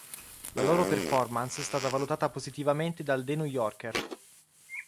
La loro performance è stata valutata positivamente dal "The" "New Yorker".